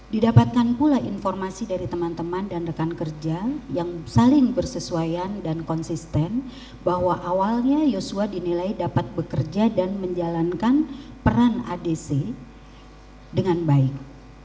didapatkan pula informasi dari teman teman dan rekan kerja yang saling bersesuaian dan konsisten bahwa awalnya yosua dinilai dapat bekerja dan menjalankan peran adc dengan baik